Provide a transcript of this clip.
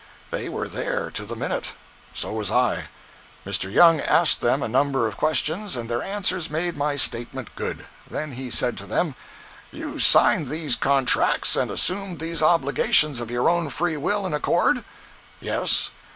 "They were there, to the minute. So was I. Mr. Young asked them a number of questions, and their answers made my statement good. Then he said to them: "'You signed these contracts and assumed these obligations of your own free will and accord?' "'Yes.